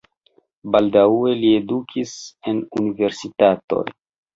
Baldaŭe li edukis en universitatoj.